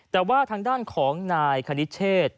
แต่ว่าทางด้านของนายคณิเชษ